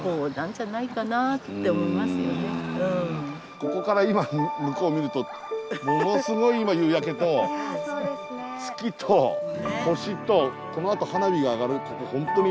ここから今向こう見るとものすごい夕焼けと月と星とこのあと花火が上がるここ本当に。